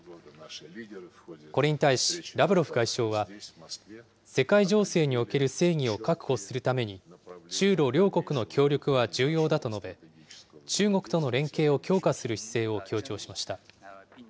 これに対し、ラブロフ外相は、世界情勢における正義を確保するために、中ロ両国の協力は重要だと述べ、中国との連携を強化する姿勢を強調しました。